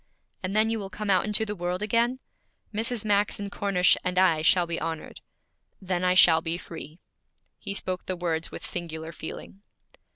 'And then you will come out into the world again? Mrs. Max and Cornish and I shall be honored.' 'Then I shall be free.' He spoke the words with singular feeling.